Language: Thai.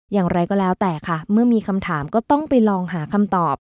อย่างไรก็แล้วแต่ค่ะเมื่อมีคำถามก็ต้องไปลองหาคำตอบ